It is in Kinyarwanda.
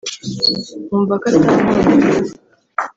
nkumva ko atankuda